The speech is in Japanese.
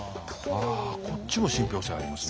ああこっちも信ぴょう性ありますね。